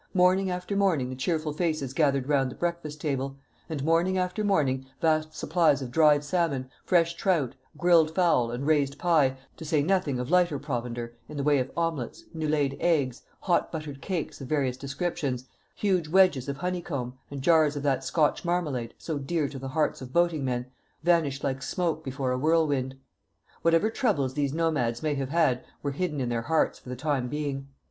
Morning after morning the cheerful faces gathered round the breakfast table; and morning after morning vast supplies of dried salmon, fresh trout, grilled fowl, and raised pie to say nothing of lighter provender, in the way of omelets, new laid eggs, hot buttered cakes of various descriptions, huge wedges of honeycomb, and jars of that Scotch marmalade, so dear to the hearts of boating men vanished like smoke before a whirlwind. Whatever troubles these nomads may have had were hidden in their hearts for the time being.